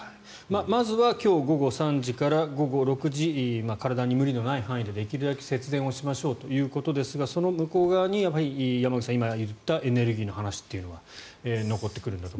まずは今日午後３時から午後６時体に無理のない範囲でできるだけ節電をしましょうということですがその向こう側に山口さん、今言ったエネルギーの話というのは残ってくる。